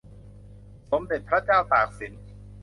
สมเด็จพระเจ้าตากสิน